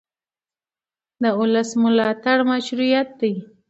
د ولس ملاتړ مشروعیت دی